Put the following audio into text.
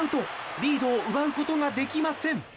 リードを奪うことができません。